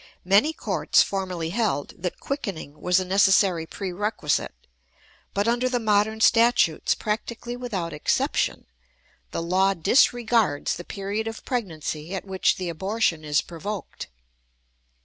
Many courts formerly held that quickening was a necessary prerequisite; but under the modern statutes, practically without exception, the law disregards the period of pregnancy at which the abortion is provoked.